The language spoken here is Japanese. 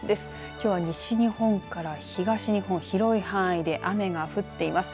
きょう西日本から東日本広い範囲で雨が降っています。